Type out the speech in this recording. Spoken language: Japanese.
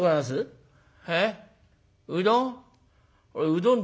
うどん？